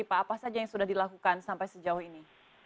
pak apa saja yang sudah dilakukan sampai sejauh ini